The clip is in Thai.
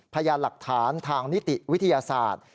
พยานหลักฐานทางนิติวิทยาศาสตร์